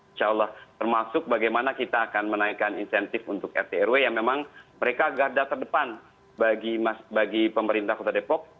insya allah termasuk bagaimana kita akan menaikkan insentif untuk rt rw yang memang mereka garda terdepan bagi pemerintah kota depok